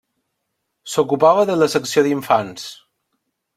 S'ocupava de la secció d'infants.